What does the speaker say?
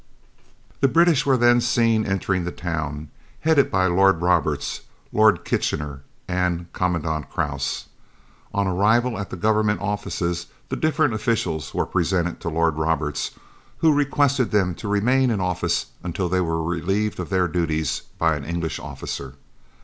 The British were then seen entering the town, headed by Lord Roberts, Lord Kitchener, and Commandant Krause. On arrival at the Government offices the different officials were presented to Lord Roberts, who requested them to remain in office until they were relieved of their duties by an English officer.